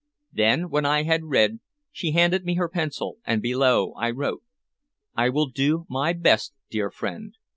Then when I had read, she handed me her pencil and below I wrote "I will do my best, dear friend.